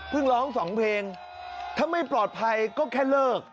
ร้องสองเพลงถ้าไม่ปลอดภัยก็แค่เลิก